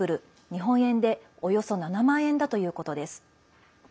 日本円でおよそ７万円だということです。